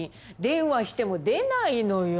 電話しても出ないのよ。